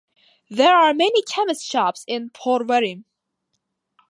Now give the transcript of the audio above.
There are many chemist shops in Porvorim.